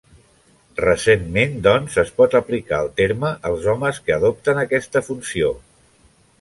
Recentment doncs es pot aplicar el terme als homes que adopten aquesta funció.